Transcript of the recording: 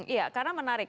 iya karena menarik